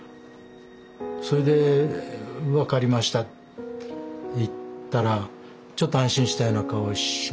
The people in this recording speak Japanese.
それで「分かりました」って言ったらちょっと安心したような顔をしました。